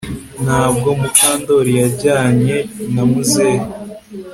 Ntabwo Mukandoli yajyanye na muzehe